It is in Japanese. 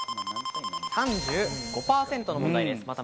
３５％の問題です。